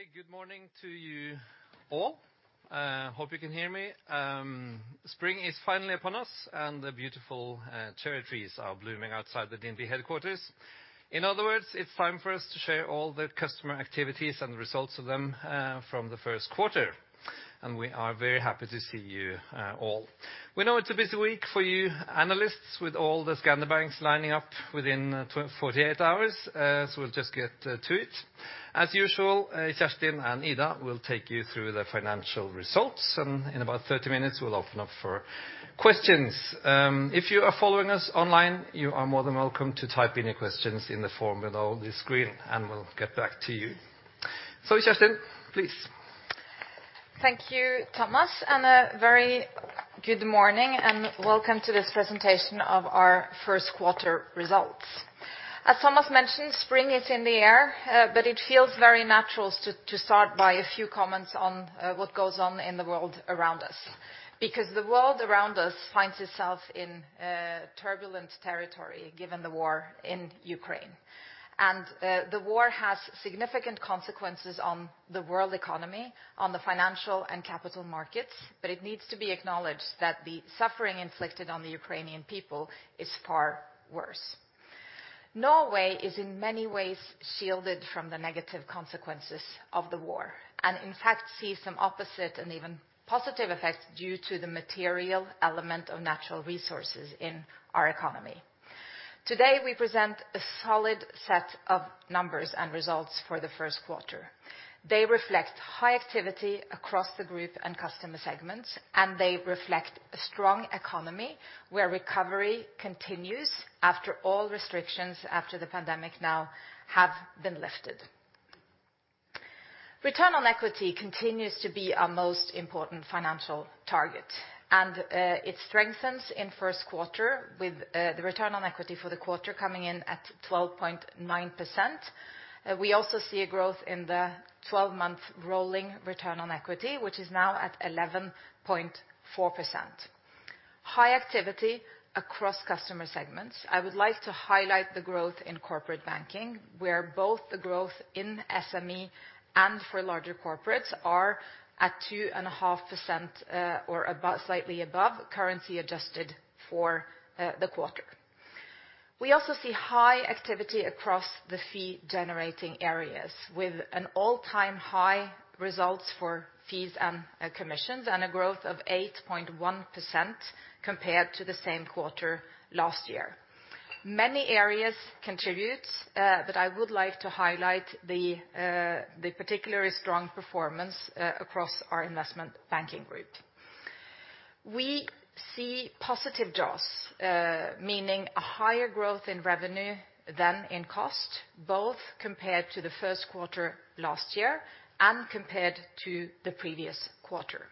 Okay, good morning to you all. Hope you can hear me. Spring is finally upon us, and the beautiful cherry trees are blooming outside the DNB headquarters. In other words, it's time for us to share all the customer activities and the results of them from the first quarter, and we are very happy to see you all. We know it's a busy week for you analysts with all the Scandinavian banks lining up within 24-48 hours, so we'll just get to it. As usual, Kjerstin and Ida will take you through the financial results, and in about 30 minutes we'll open up for questions. If you are following us online, you are more than welcome to type any questions in the form below the screen, and we'll get back to you. Kjerstin, please. Thank you, Thomas, and a very good morning and welcome to this Presentation of our First Quarter Results. As Thomas mentioned, spring is in the air, but it feels very natural to start by a few comments on what goes on in the world around us. Because the world around us finds itself in a turbulent territory given the war in Ukraine. The war has significant consequences on the world economy, on the financial and capital markets, but it needs to be acknowledged that the suffering inflicted on the Ukrainian people is far worse. Norway is in many ways shielded from the negative consequences of the war, and in fact see some opposite and even positive effects due to the material element of natural resources in our economy. Today, we present a solid set of numbers and results for the first quarter. They reflect high activity across the group and customer segments, and they reflect a strong economy where recovery continues after all restrictions after the pandemic now have been lifted. Return on equity continues to be our most important financial target, and it strengthens in first quarter with the return on equity for the quarter coming in at 12.9%. We also see a growth in the twelve-month rolling return on equity, which is now at 11.4%. High activity across customer segments. I would like to highlight the growth in corporate banking, where both the growth in SME and for larger corporates are at 2.5% or above, slightly above currency adjusted for the quarter. We also see high activity across the fee generating areas with an all-time high results for fees and commissions, and a growth of 8.1% compared to the same quarter last year. Many areas contributes, but I would like to highlight the particularly strong performance across our investment banking group. We see positive jaws, meaning a higher growth in revenue than in cost, both compared to the first quarter last year and compared to the previous quarter.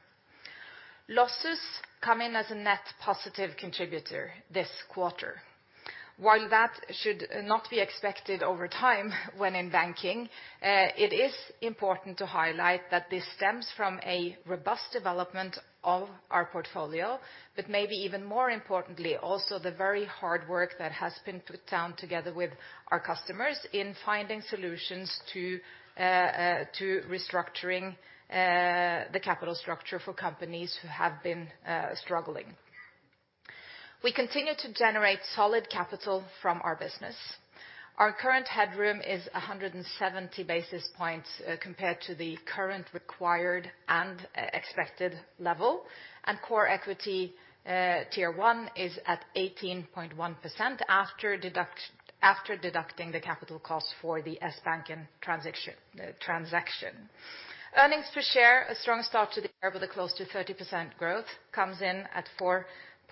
Losses come in as a net positive contributor this quarter. While that should not be expected over time when in banking, it is important to highlight that this stems from a robust development of our portfolio. Maybe even more importantly, also the very hard work that has been put down together with our customers in finding solutions to restructuring the capital structure for companies who have been struggling. We continue to generate solid capital from our business. Our current headroom is 170 basis points compared to the current required and expected level, and core equity tier one is at 18.1% after deducting the capital costs for the Sbanken transaction. Earnings per share, a strong start to the year with a close to 30% growth, comes in at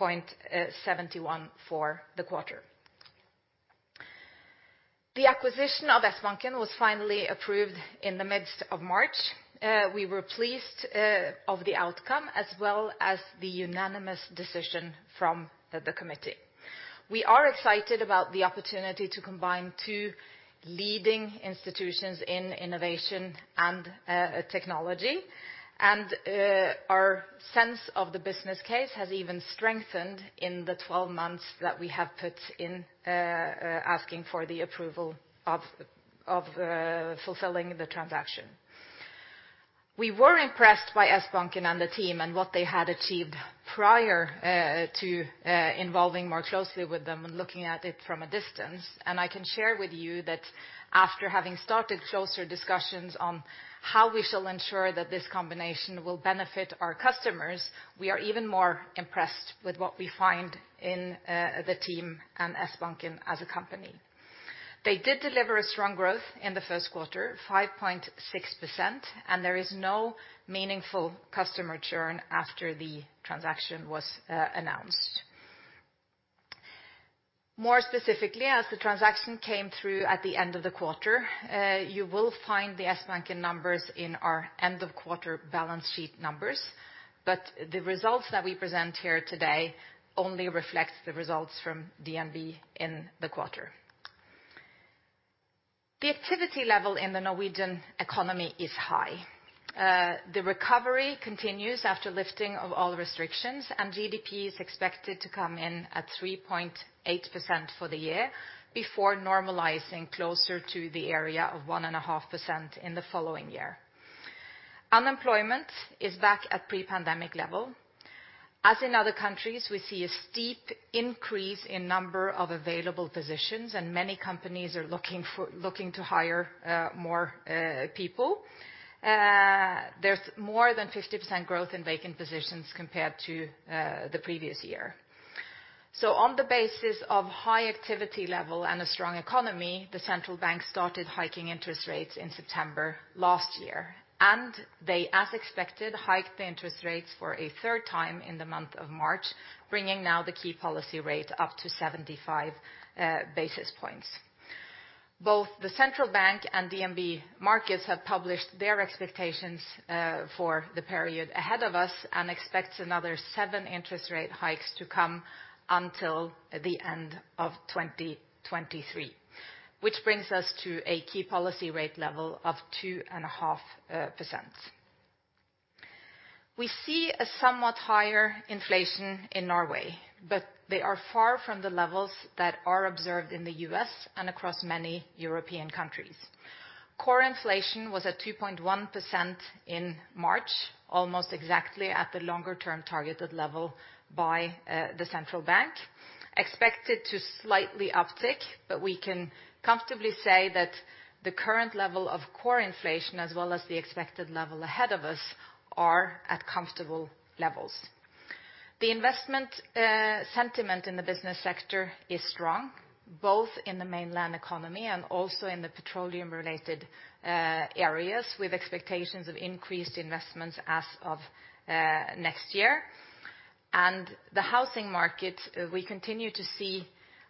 4.71 for the quarter. The acquisition of Sbanken was finally approved in the midst of March. We were pleased of the outcome, as well as the unanimous decision from the committee. We are excited about the opportunity to combine two leading institutions in innovation and technology. Our sense of the business case has even strengthened in the 12 months that we have put in asking for the approval of fulfilling the transaction. We were impressed by Sbanken and the team and what they had achieved prior to involving more closely with them and looking at it from a distance. I can share with you that after having started closer discussions on how we shall ensure that this combination will benefit our customers, we are even more impressed with what we find in the team and Sbanken as a company. They did deliver a strong growth in the first quarter, 5.6%, and there is no meaningful customer churn after the transaction was announced. More specifically, as the transaction came through at the end of the quarter, you will find the Sbanken numbers in our end of quarter balance sheet numbers, but the results that we present here today only reflects the results from DNB in the quarter. The activity level in the Norwegian economy is high. The recovery continues after lifting of all restrictions, and GDP is expected to come in at 3.8% for the year before normalizing closer to the area of 1.5% in the following year. Unemployment is back at pre-pandemic level. As in other countries, we see a steep increase in number of available positions, and many companies are looking to hire more people. There's more than 50% growth in vacant positions compared to the previous year. On the basis of high activity level and a strong economy, the central bank started hiking interest rates in September last year. They, as expected, hiked the interest rates for a third time in the month of March, bringing now the key policy rate up to 75 basis points. Both the central bank and DNB Markets have published their expectations for the period ahead of us, and expects another 7 interest rate hikes to come until the end of 2023, which brings us to a key policy rate level of 2.5%. We see a somewhat higher inflation in Norway, but they are far from the levels that are observed in the U.S. and across many European countries. Core inflation was at 2.1% in March, almost exactly at the longer term targeted level by the central bank. Expected to slightly uptick, but we can comfortably say that the current level of core inflation, as well as the expected level ahead of us, are at comfortable levels. The investment sentiment in the business sector is strong, both in the mainland economy and also in the petroleum-related areas, with expectations of increased investments as of next year. The housing market we continue to see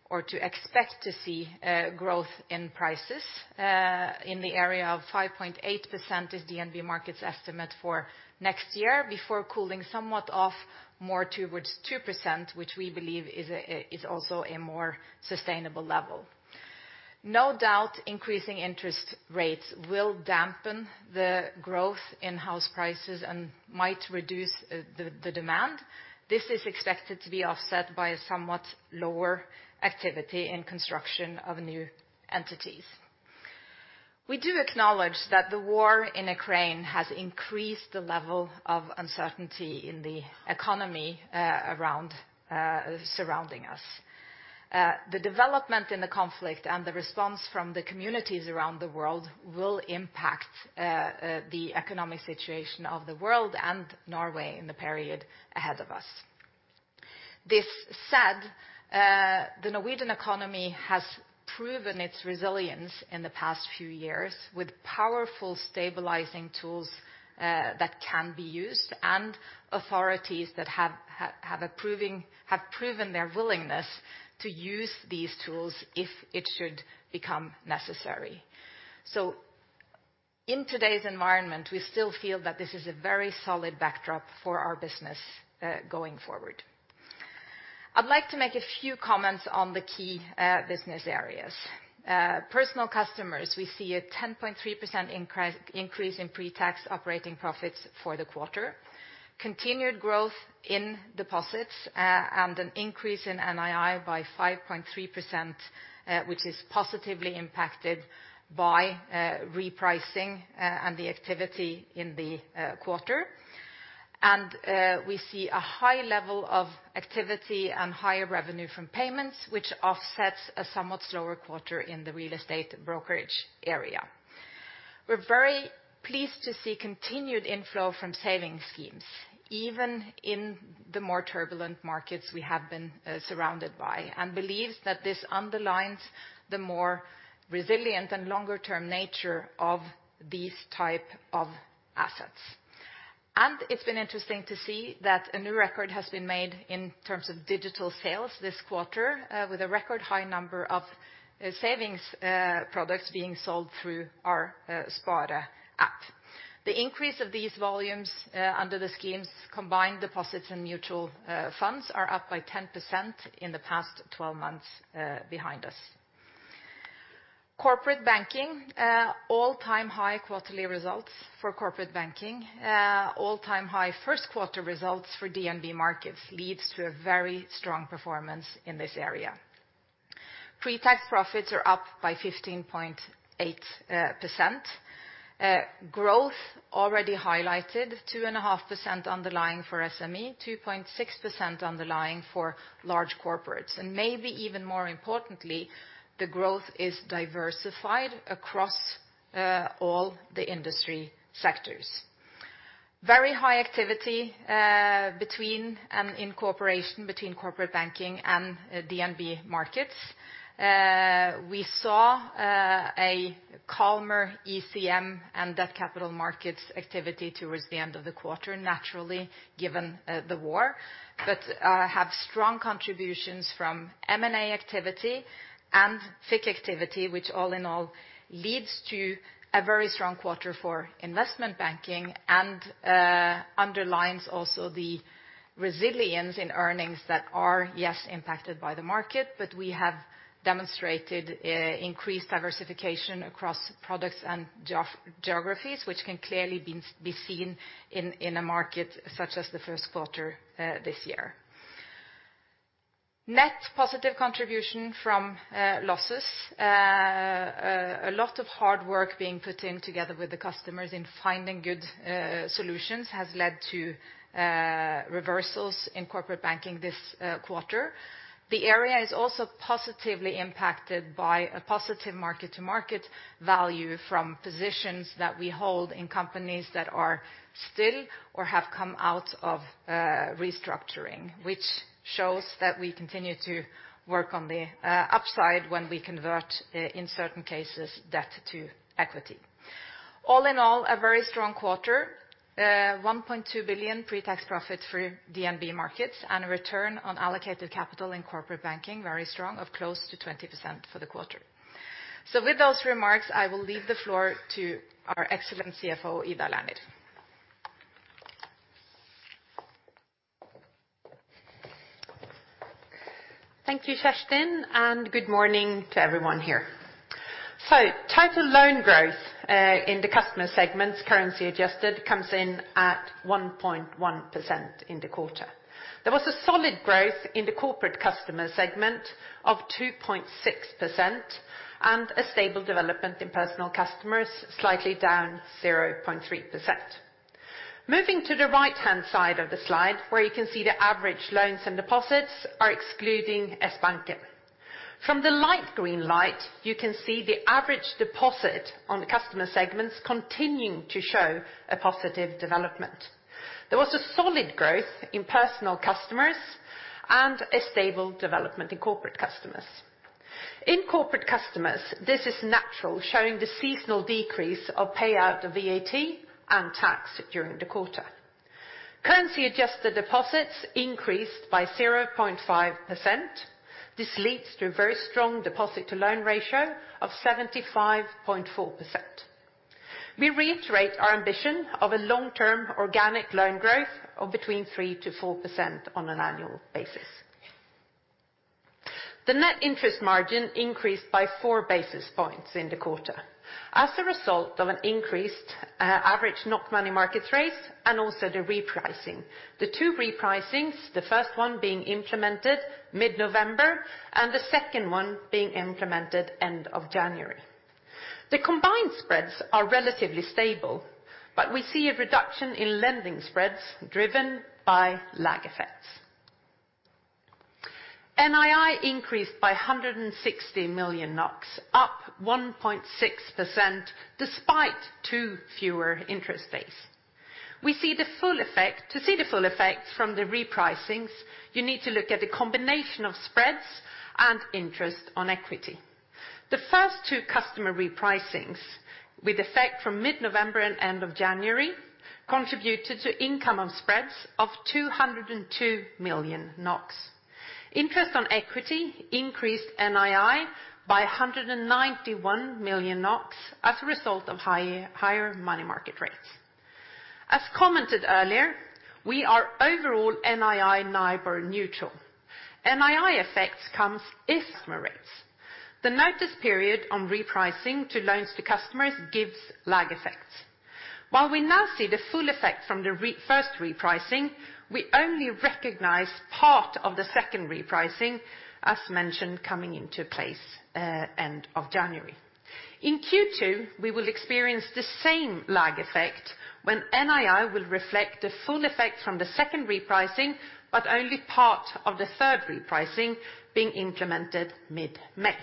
or to expect to see growth in prices in the area of 5.8% is DNB Markets estimate for next year, before cooling somewhat off more towards 2%, which we believe is also a more sustainable level. No doubt increasing interest rates will dampen the growth in house prices and might reduce the demand. This is expected to be offset by a somewhat lower activity in construction of new entities. We do acknowledge that the war in Ukraine has increased the level of uncertainty in the economy surrounding us. The development in the conflict and the response from the communities around the world will impact the economic situation of the world and Norway in the period ahead of us. This said, the Norwegian economy has proven its resilience in the past few years with powerful stabilizing tools that can be used, and authorities that have proven their willingness to use these tools if it should become necessary. In today's environment, we still feel that this is a very solid backdrop for our business going forward. I'd like to make a few comments on the key business areas. Personal customers, we see a 10.3% increase in pre-tax operating profits for the quarter. Continued growth in deposits, and an increase in NII by 5.3%, which is positively impacted by, repricing, and the activity in the, quarter. We see a high level of activity and higher revenue from payments, which offsets a somewhat slower quarter in the real estate brokerage area. We're very pleased to see continued inflow from saving schemes, even in the more turbulent markets we have been, surrounded by, and believes that this underlines the more resilient and longer term nature of these type of assets. It's been interesting to see that a new record has been made in terms of digital sales this quarter, with a record high number of, savings, products being sold through our, Spare app. The increase of these volumes under the schemes combined deposits and mutual funds are up by 10% in the past 12 months behind us. Corporate banking all-time high quarterly results for corporate banking. All-time high first quarter results for DNB Markets leads to a very strong performance in this area. Pre-tax profits are up by 15.8%. Growth already highlighted 2.5% underlying for SME, 2.6% underlying for large corporates. Maybe even more importantly, the growth is diversified across all the industry sectors. Very high activity between and in cooperation between corporate banking and DNB Markets. We saw a calmer ECM and debt capital markets activity towards the end of the quarter, naturally, given the war. Have strong contributions from M&A activity and FICC activity, which all in all leads to a very strong quarter for investment banking and that underlines also the resilience in earnings that are impacted by the market, but we have demonstrated increased diversification across products and geographies, which can clearly be seen in a market such as the first quarter this year. Net positive contribution from losses. A lot of hard work being put in together with the customers in finding good solutions has led to reversals in corporate banking this quarter. The area is also positively impacted by a positive mark-to-market value from positions that we hold in companies that are still or have come out of restructuring, which shows that we continue to work on the upside when we convert in certain cases, debt to equity. All in all, a very strong quarter. One point two billion pre-tax profit for DNB Markets and a return on allocated capital in corporate banking, very strong, of close to twenty percent for the quarter. With those remarks, I will leave the floor to our excellent CFO, Ida Lerner. Thank you, Kjerstin, and good morning to everyone here. Total loan growth in the customer segments, currency adjusted, comes in at 1.1% in the quarter. There was a solid growth in the corporate customer segment of 2.6% and a stable development in personal customers, slightly down 0.3%. Moving to the right-hand side of the slide where you can see the average loans and deposits are excluding Sbanken. From the light green light, you can see the average deposit on the customer segments continuing to show a positive development. There was a solid growth in personal customers and a stable development in corporate customers. In corporate customers, this is natural, showing the seasonal decrease of payout of VAT and tax during the quarter. Currency-adjusted deposits increased by 0.5%. This leads to a very strong deposit to loan ratio of 75.4%. We reiterate our ambition of a long-term organic loan growth of between 3 to 4% on an annual basis. The net interest margin increased by 4 basis points in the quarter. As a result of an increased average NOK money market rates and also the repricing. The two repricings, the first one being implemented mid-November, and the second one being implemented end of January. The combined spreads are relatively stable, but we see a reduction in lending spreads driven by lag effects. NII increased by 160 million NOK, up 1.6% despite two fewer interest days. To see the full effect from the repricings, you need to look at the combination of spreads and interest on equity. The first two customer repricings, with effect from mid-November and end of January, contributed to income of spreads of 202 million NOK. Interest on equity increased NII by 191 million NOK as a result of higher money market rates. As commented earlier, we are overall NII NIBOR neutral. NII effects come from rates. The notice period on repricing to loans to customers gives lag effects. While we now see the full effect from the first repricing, we only recognize part of the second repricing, as mentioned, coming into place end of January. In Q2, we will experience the same lag effect when NII will reflect the full effect from the second repricing, but only part of the third repricing being implemented mid-May.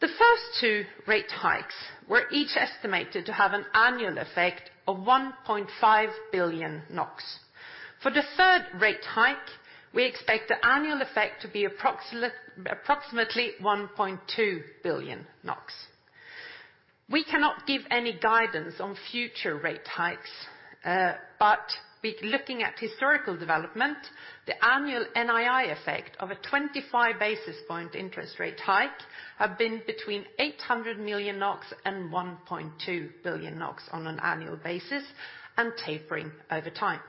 The first two rate hikes were each estimated to have an annual effect of 1.5 billion NOK. For the third rate hike, we expect the annual effect to be approximately 1.2 billion NOK. We cannot give any guidance on future rate hikes, but we're looking at historical development, the annual NII effect of a 25 basis point interest rate hike have been between 800 million NOK and 1.2 billion NOK on an annual basis and tapering over time.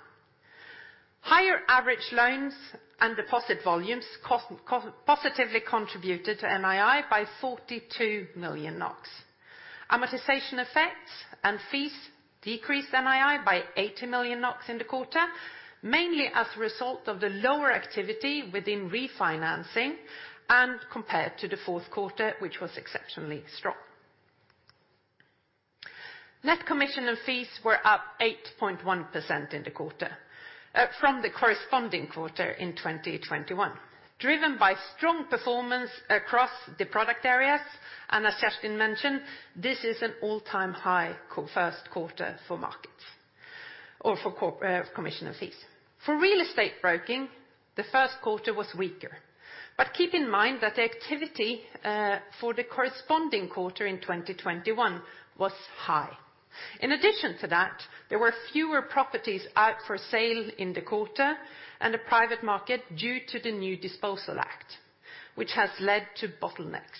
Higher average loans and deposit volumes positively contributed to NII by 42 million NOK. Amortization effects and fees decreased NII by 80 million NOK in the quarter, mainly as a result of the lower activity within refinancing and compared to the fourth quarter, which was exceptionally strong. Net commission and fees were up 8.1% in the quarter, from the corresponding quarter in 2021, driven by strong performance across the product areas. As Kjerstin mentioned, this is an all-time high Q1 for markets or for corporate commission and fees. For real estate broking, the first quarter was weaker. Keep in mind that the activity for the corresponding quarter in 2021 was high. In addition to that, there were fewer properties out for sale in the quarter in the private market due to the new Disposal Act, which has led to bottlenecks.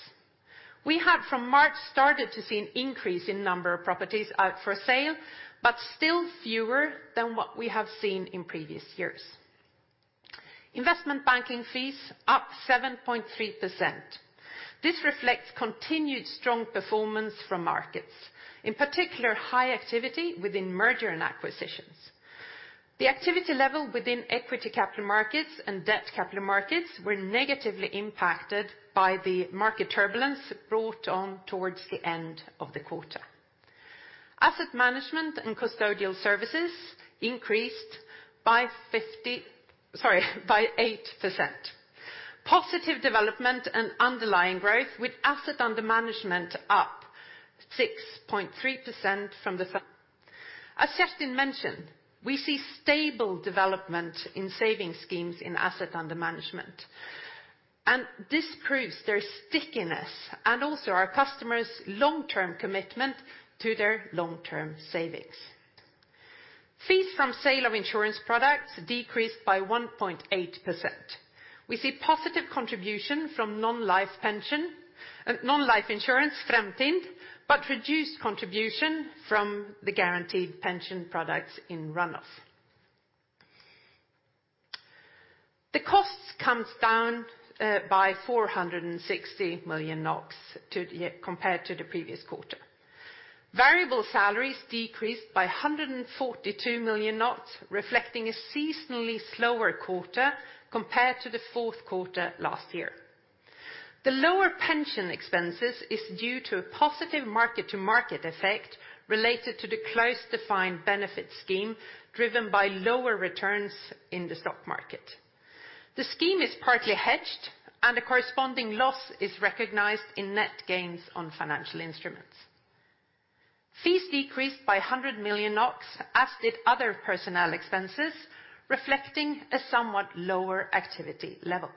We have from March started to see an increase in number of properties out for sale, but still fewer than what we have seen in previous years. Investment banking fees up 7.3%. This reflects continued strong performance from markets, in particular, high activity within mergers and acquisitions. The activity level within equity capital markets and debt capital markets were negatively impacted by the market turbulence brought on towards the end of the quarter. Asset management and custodial services increased by 8%. Positive development and underlying growth with asset under management up 6.3% from the. As Kjerstin mentioned, we see stable development in saving schemes in asset under management, and this proves there is stickiness and also our customers' long-term commitment to their long-term savings. Fees from sale of insurance products decreased by 1.8%. We see positive contribution from non-life pension, non-life insurance Fremtind, but reduced contribution from the guaranteed pension products in run-off. The costs comes down by 460 million NOK compared to the previous quarter. Variable salaries decreased by 142 million, reflecting a seasonally slower quarter compared to the fourth quarter last year. The lower pension expenses is due to a positive market-to-market effect related to the closed defined benefit scheme, driven by lower returns in the stock market. The scheme is partly hedged, and the corresponding loss is recognized in net gains on financial instruments. Fees decreased by 100 million NOK, as did other personnel expenses, reflecting a somewhat lower activity level.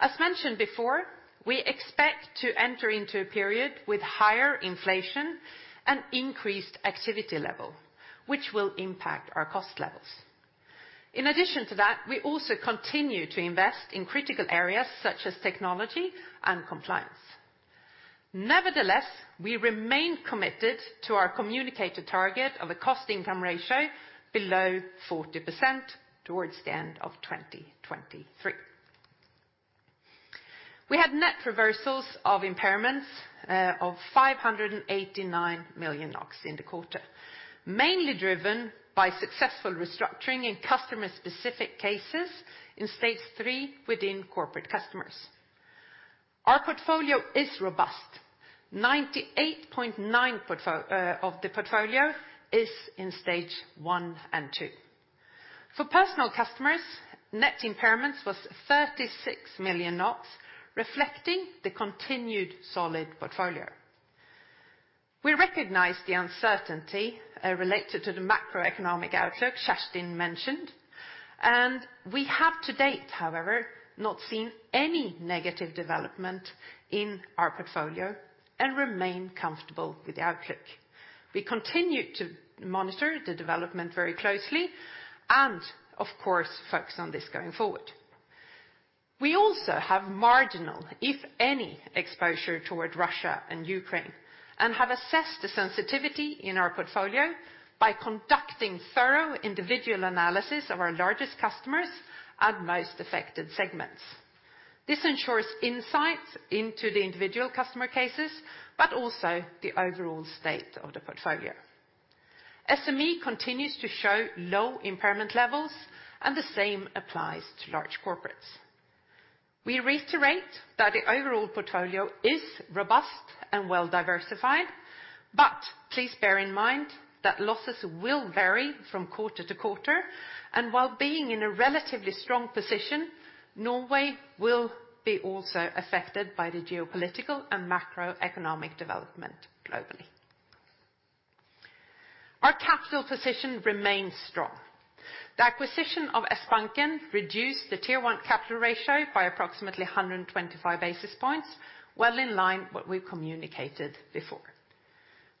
As mentioned before, we expect to enter into a period with higher inflation and increased activity level, which will impact our cost levels. In addition to that, we also continue to invest in critical areas such as technology and compliance. Nevertheless, we remain committed to our communicated target of a cost income ratio below 40% towards the end of 2023. We had net reversals of impairments of 589 million NOK in the quarter, mainly driven by successful restructuring in customer specific cases in stage three within corporate customers. Our portfolio is robust. 98.9% of the portfolio is in stage one and two. For personal customers, net impairments was 36 million, reflecting the continued solid portfolio. We recognize the uncertainty related to the macroeconomic outlook Kjerstin mentioned, and we have to date, however, not seen any negative development in our portfolio and remain comfortable with the outlook. We continue to monitor the development very closely and of course focus on this going forward. We also have marginal, if any, exposure toward Russia and Ukraine, and have assessed the sensitivity in our portfolio by conducting thorough individual analysis of our largest customers and most affected segments. This ensures insights into the individual customer cases, but also the overall state of the portfolio. SME continues to show low impairment levels, and the same applies to large corporates. We reiterate that the overall portfolio is robust and well-diversified, but please bear in mind that losses will vary from quarter to quarter. While being in a relatively strong position, Norway will be also affected by the geopolitical and macroeconomic development globally. Our capital position remains strong. The acquisition of Sbanken reduced the Tier 1 capital ratio by approximately 125 basis points, well in line with what we communicated before.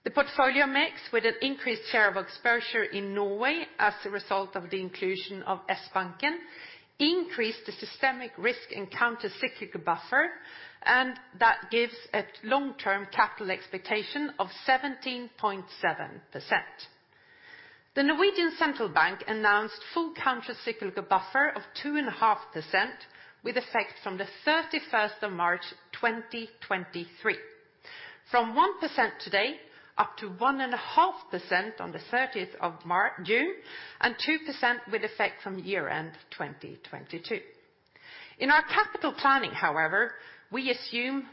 The portfolio mix with an increased share of exposure in Norway as a result of the inclusion of Sbanken increased the systemic risk and countercyclical buffer, and that gives a long-term capital expectation of 17.7%. Norges Bank announced full countercyclical capital buffer of 2.5% with effect from the 31st of March, 2023. From 1% today up to 1.5% on the thirtieth of June, and 2% with effect from year end 2022. In our capital planning, however, we assume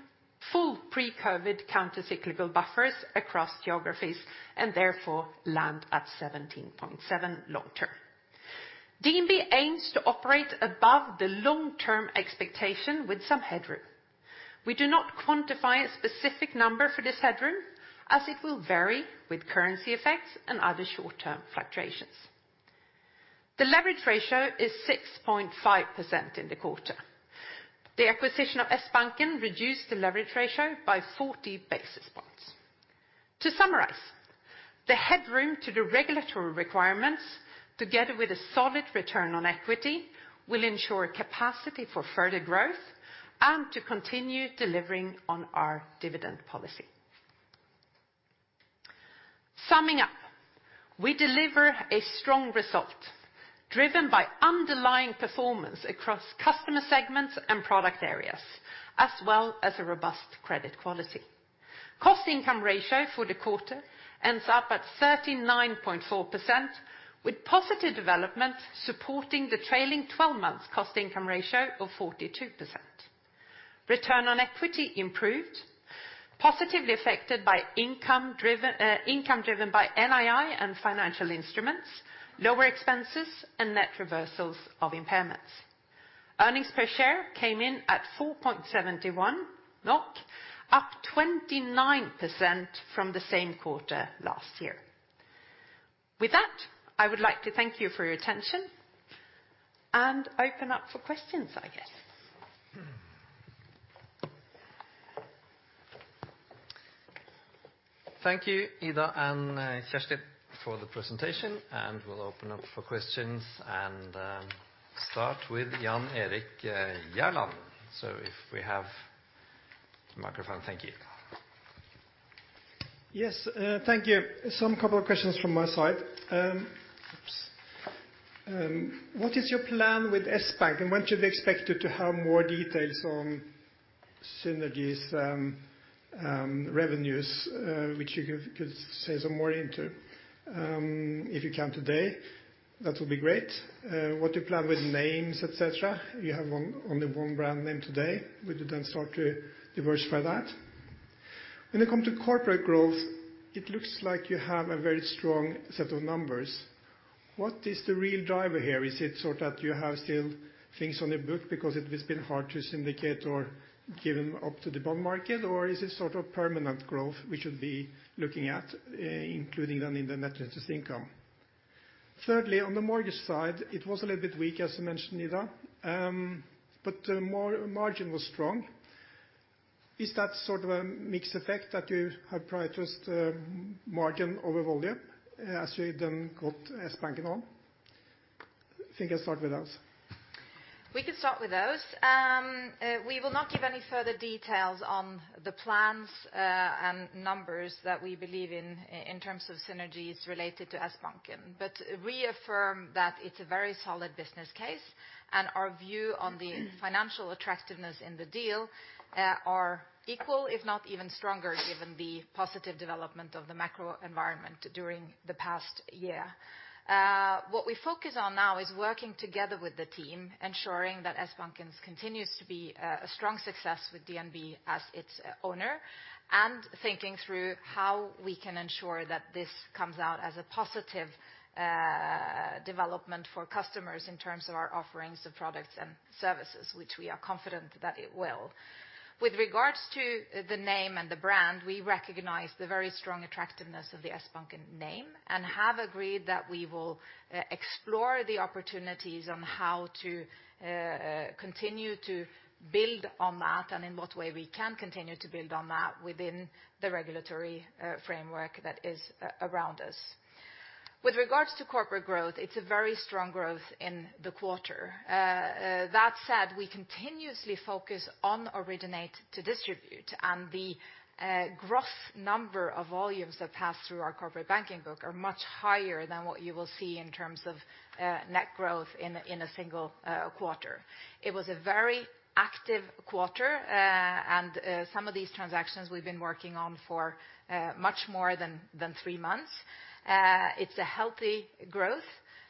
full pre-COVID countercyclical capital buffers across geographies, and therefore land at 17.7 long-term. DNB aims to operate above the long-term expectation with some headroom. We do not quantify a specific number for this headroom, as it will vary with currency effects and other short-term fluctuations. The leverage ratio is 6.5% in the quarter. The acquisition of Sbanken reduced the leverage ratio by 40 basis points. To summarize, the headroom to the regulatory requirements together with a solid return on equity will ensure capacity for further growth and to continue delivering on our dividend policy. Summing up, we deliver a strong result driven by underlying performance across customer segments and product areas, as well as a robust credit quality. Cost income ratio for the quarter ends up at 39.4% with positive development supporting the trailing 12 months cost income ratio of 42%. Return on equity improved, positively affected by income driven by NII and financial instruments, lower expenses and net reversals of impairments. Earnings per share came in at 4.71 NOK, up 29% from the same quarter last year. With that, I would like to thank you for your attention and open up for questions, I guess. Thank you, Ida and Kjerstin, for the presentation, and we'll open up for questions and start with Jan Erik Gjerland. If we have the microphone. Thank you. Yes. Thank you. A couple of questions from my side. What is your plan with Sbanken, and when should we expect you to have more details on synergies, revenues, which you could say some more into, if you can today, that would be great. What's your plan with names, et cetera? You have only one brand name today. Would you then start to diversify that? When it come to corporate growth, it looks like you have a very strong set of numbers. What is the real driver here? Is it so that you have still things on your books because it has been hard to syndicate or give them up to the bond market, or is it sort of permanent growth we should be looking at, including then in the net interest income? Thirdly, on the mortgage side, it was a little bit weak, as you mentioned, Ida, but margin was strong. Is that sort of a mixed effect that you have prioritized, margin over volume as you then got Sbanken along? Think you can start with those. We can start with those. We will not give any further details on the plans and numbers that we believe in in terms of synergies related to Sbanken. We affirm that it's a very solid business case, and our view on the financial attractiveness in the deal are equal, if not even stronger, given the positive development of the macro environment during the past year. What we focus on now is working together with the team, ensuring that Sbanken continues to be a strong success with DNB as its owner, and thinking through how we can ensure that this comes out as a positive development for customers in terms of our offerings of products and services, which we are confident that it will. With regards to the name and the brand, we recognize the very strong attractiveness of the Sbanken name and have agreed that we will explore the opportunities on how to continue to build on that and in what way we can continue to build on that within the regulatory framework that is around us. With regards to corporate growth, it's a very strong growth in the quarter. That said, we continuously focus on originate to distribute, and the gross number of volumes that pass through our corporate banking book are much higher than what you will see in terms of net growth in a single quarter. It was a very active quarter, and some of these transactions we've been working on for much more than three months. It's a healthy growth,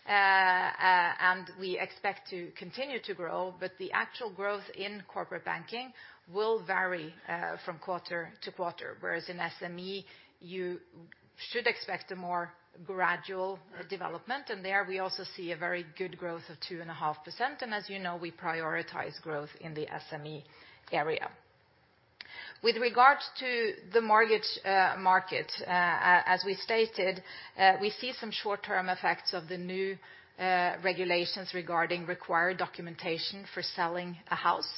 and we expect to continue to grow, but the actual growth in corporate banking will vary from quarter to quarter, whereas in SME, you should expect a more gradual development. There we also see a very good growth of 2.5%, and as you know, we prioritize growth in the SME area. With regards to the mortgage market, as we stated, we see some short-term effects of the new regulations regarding required documentation for selling a house.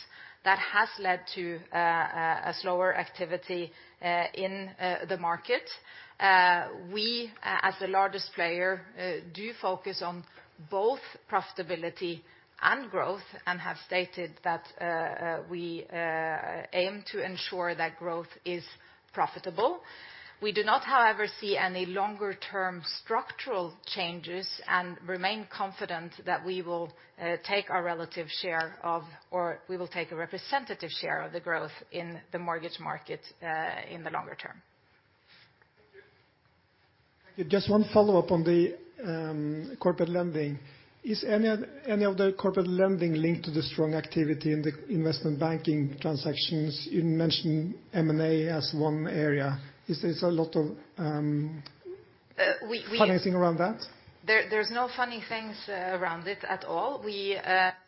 That has led to a slower activity in the market. We, as the largest player, do focus on both profitability and growth and have stated that we aim to ensure that growth is profitable. We do not, however, see any longer term structural changes and remain confident that we will take our relative share of, or we will take a representative share of the growth in the mortgage market, in the longer term. Thank you. Just one follow-up on the corporate lending. Is any of the corporate lending linked to the strong activity in the investment banking transactions? You mentioned M&A as one area. Is this a lot of? Uh, we- financing around that? There's no funding things around it at all. We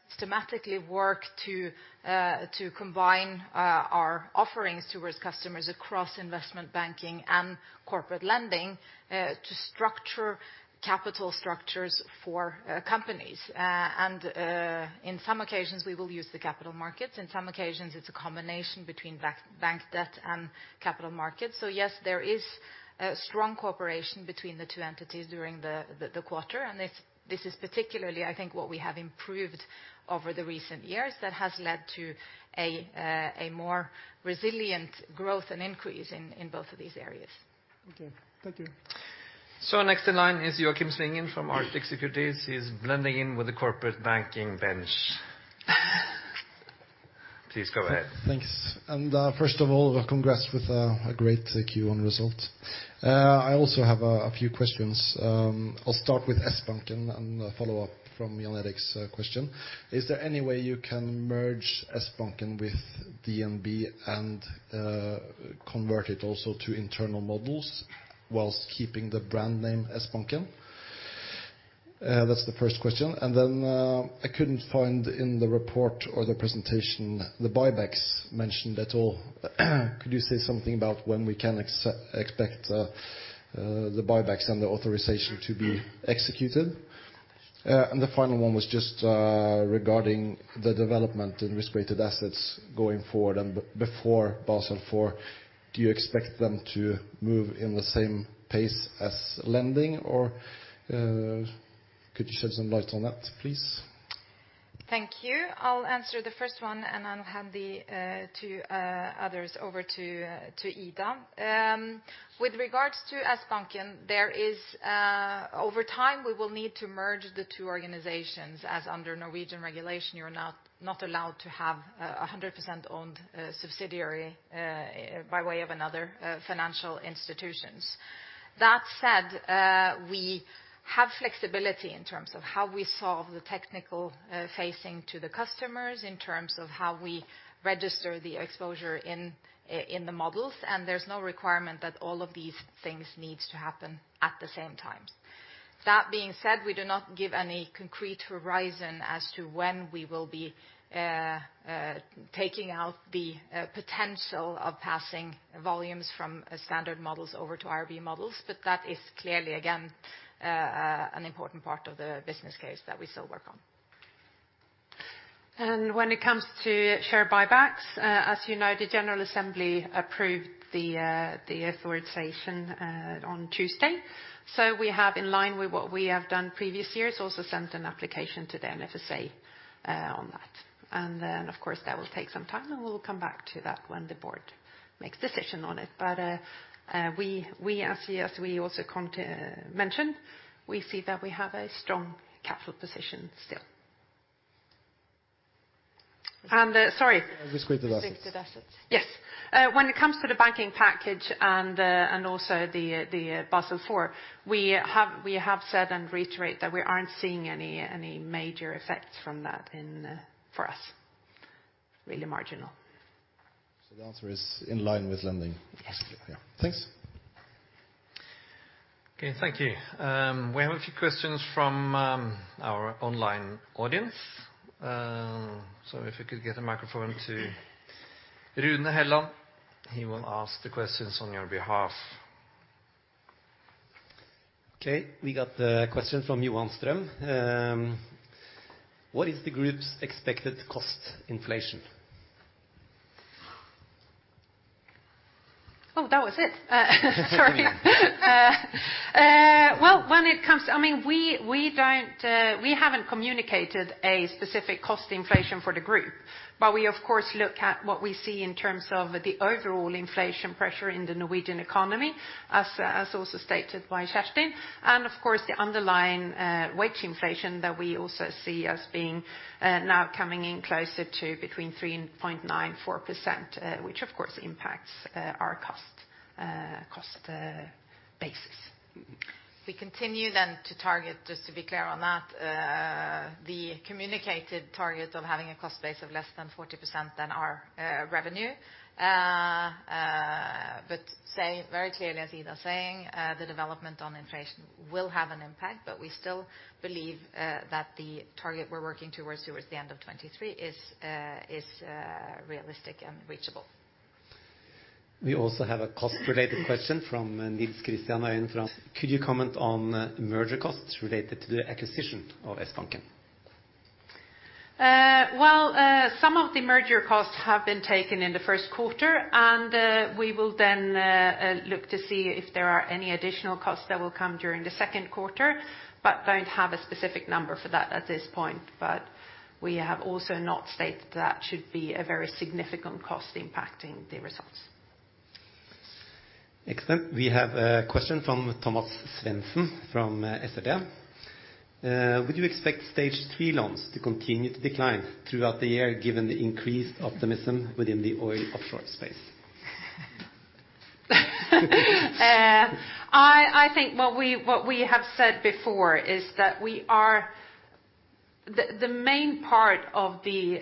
systematically work to combine our offerings towards customers across investment banking and corporate lending to structure capital structures for companies. In some occasions, we will use the capital markets. In some occasions, it's a combination between bank debt and capital markets. Yes, there is a strong cooperation between the two entities during the quarter. This is particularly, I think, what we have improved over the recent years that has led to a more resilient growth and increase in both of these areas. Okay. Thank you. Next in line is Joakim Svingen from Arctic Securities. He's blending in with the corporate banking bench. Please go ahead. Thanks. First of all, congrats with a great Q1 result. I also have a few questions. I'll start with Sbanken, and follow up from Jan Erik's question. Is there any way you can merge Sbanken with DNB and convert it also to internal models while keeping the brand name Sbanken? That's the first question. Then, I couldn't find in the report or the presentation the buybacks mentioned at all. Could you say something about when we can expect the buybacks and the authorization to be executed? The final one was just regarding the development in risk-weighted assets going forward and before Basel IV. Do you expect them to move in the same pace as lending? Or could you shed some light on that, please? Thank you. I'll answer the first one, and I'll hand the 2 others over to Ida. With regards to Sbanken, over time, we will need to merge the 2 organizations, as under Norwegian regulation you're not allowed to have a 100% owned subsidiary by way of another financial institution. That said, we have flexibility in terms of how we solve the technical facing to the customers in terms of how we register the exposure in the models, and there's no requirement that all of these things needs to happen at the same time. That being said, we do not give any concrete horizon as to when we will be taking out the potential of passing volumes from a standard models over to IRB models, but that is clearly, again, an important part of the business case that we still work on. When it comes to share buybacks, as you know, the general assembly approved the authorization on Tuesday, so we have, in line with what we have done previous years, also sent an application to the NFSA on that. Then of course that will take some time, and we'll come back to that when the board makes decision on it. We, as we also mention, see that we have a strong capital position still. Sorry. Risk-weighted assets. Risk-weighted assets. Yes. When it comes to the banking package and also the Basel IV, we have said and reiterate that we aren't seeing any major effects from that in for us. Really marginal. The answer is in line with lending. Yes. Yeah. Thanks. Okay. Thank you. We have a few questions from our online audience. If you could get a microphone to Rune Helland, he will ask the questions on your behalf. Okay. We got the question from Johan Strøm. What is the group's expected cost inflation? Oh, that was it. Sorry. I mean, we don't, we haven't communicated a specific cost inflation for the group, but we of course look at what we see in terms of the overall inflation pressure in the Norwegian economy as also stated by Kjerstin, and of course the underlying wage inflation that we also see as being now coming in closer to between 3.9%, 4%, which of course impacts our cost basis. We continue to target, just to be clear on that, the communicated target of having a cost base of less than 40% of our revenue. Say very clearly as Ida is saying, the development on inflation will have an impact, but we still believe that the target we're working towards the end of 2023 is realistic and reachable. We also have a cost related question from Nils Kristian Røine from... Could you comment on merger costs related to the acquisition of Sbanken? Well, some of the merger costs have been taken in the first quarter, and we will then look to see if there are any additional costs that will come during the second quarter, but don't have a specific number for that at this point. We have also not stated that should be a very significant cost impacting the results. Excellent. We have a question from Thomas Svendsen from SEB. Would you expect Stage 3 loans to continue to decline throughout the year given the increased optimism within the oil offshore space? I think what we have said before is that the main part of the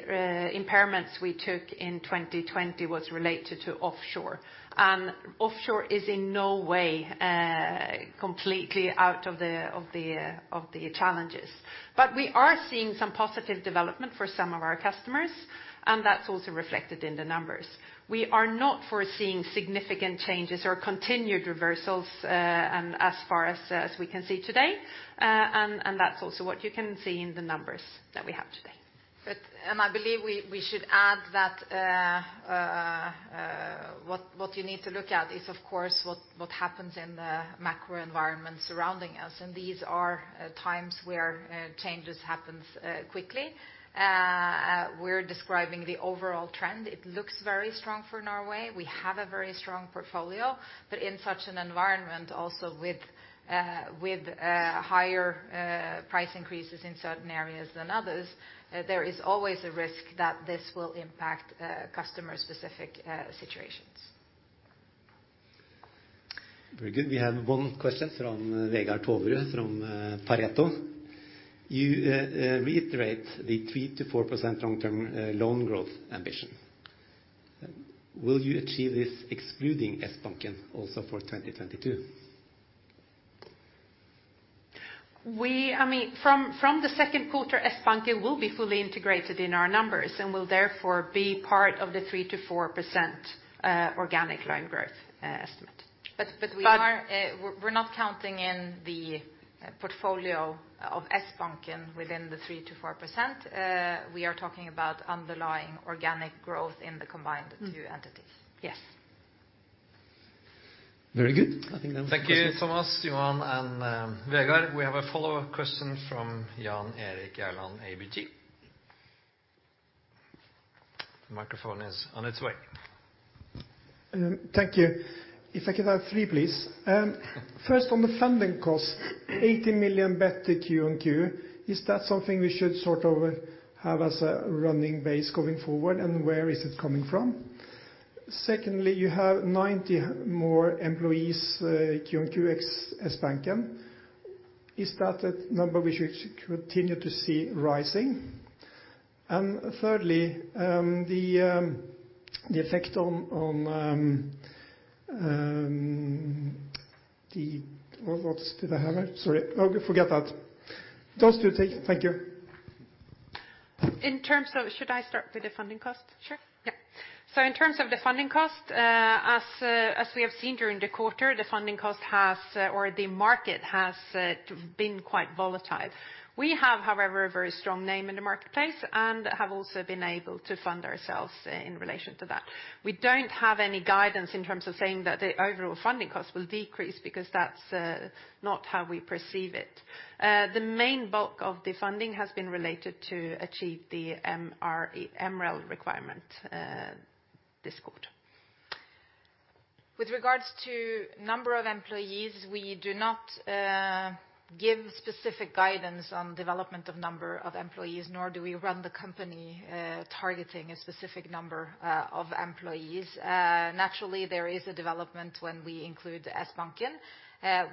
impairments we took in 2020 was related to offshore, and offshore is in no way completely out of the challenges. We are seeing some positive development for some of our customers, and that's also reflected in the numbers. We are not foreseeing significant changes or continued reversals, and as far as we can see today, and that's also what you can see in the numbers that we have today. I believe we should add that what you need to look at is of course what happens in the macro environment surrounding us, and these are times where changes happens quickly. We're describing the overall trend. It looks very strong for Norway. We have a very strong portfolio, but in such an environment also with higher price increases in certain areas than others, there is always a risk that this will impact customer-specific situations. Very good. We have one question from Vegard Toverud from Pareto Securities. You reiterate the 3%-4% long-term loan growth ambition. Will you achieve this excluding Sbanken also for 2022? I mean, from the second quarter, Sbanken will be fully integrated in our numbers, and will therefore be part of the 3%-4% organic loan growth estimate. We're not counting in the portfolio of Sbanken within the 3%-4%. We are talking about underlying organic growth in the combined two entities. Yes. Very good. I think that's. Thank you, Thomas, Johan, and Vegard. We have a follow-up question from Jan Erik Gjerland, ABG. Microphone is on its way. Thank you. If I could have three, please. First on the funding cost, 80 million better Q-on-Q, is that something we should sort of have as a running base going forward, and where is it coming from? Secondly, you have 90 more employees, Q-on-Q Sbanken. Is that a number we should continue to see rising? Forget that. Those two things. Thank you. Should I start with the funding cost? Sure. Yeah. In terms of the funding cost, as we have seen during the quarter, the funding cost has, or the market has, been quite volatile. We have, however, a very strong name in the marketplace and have also been able to fund ourselves in relation to that. We don't have any guidance in terms of saying that the overall funding cost will decrease because that's not how we perceive it. The main bulk of the funding has been related to achieve the MREL requirement this quarter. With regards to number of employees, we do not give specific guidance on development of number of employees, nor do we run the company targeting a specific number of employees. Naturally, there is a development when we include Sbanken.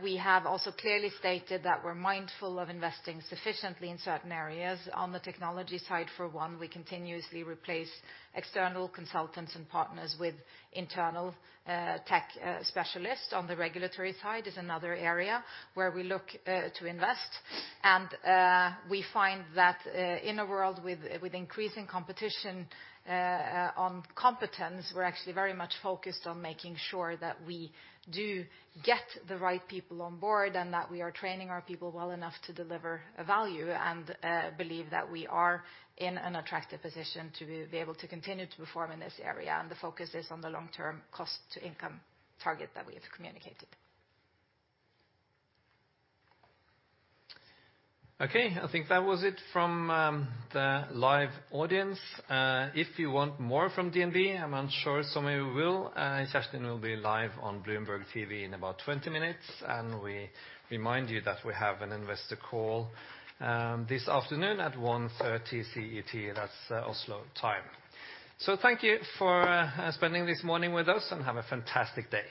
We have also clearly stated that we're mindful of investing sufficiently in certain areas. On the technology side, for one, we continuously replace external consultants and partners with internal tech specialists. On the regulatory side is another area where we look to invest. We find that, in a world with increasing competition on competence, we're actually very much focused on making sure that we do get the right people on board, and that we are training our people well enough to deliver value and believe that we are in an attractive position to be able to continue to perform in this area. The focus is on the long-term cost-to-income target that we have communicated. Okay. I think that was it from the live audience. If you want more from DNB, I'm unsure, some of you will, Kjerstin will be live on Bloomberg Television in about 20 minutes, and we remind you that we have an investor call this afternoon at 1:30 P.M. CET. That's Oslo time. Thank you for spending this morning with us, and have a fantastic day.